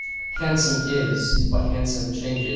Handsome is what hansoms charge.